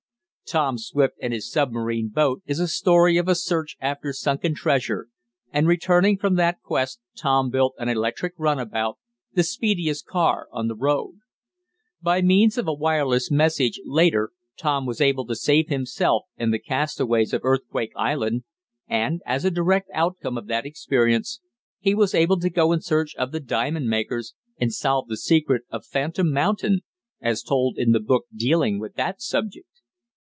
"Tom Swift and His Submarine Boat." is a story of a search after sunken treasure, and, returning from that quest Tom built an electric runabout, the speediest car on the road. By means of a wireless message, later, Tom was able to save himself and the castaways of Earthquake Island, and, as a direct outcome of that experience, he was able to go in search of the diamond makers, and solve the secret of Phantom Mountain, as told in the book dealing with that subject.